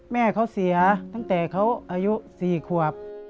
แม่เขาเสียตั้งแต่เขาอายุ๔ขวบ